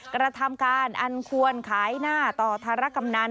กระทำการอันควรขายหน้าต่อธารกำนัน